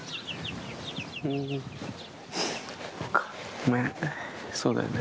ごめん、そうだよね。